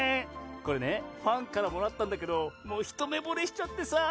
これねファンからもらったんだけどもうひとめぼれしちゃってさぁ！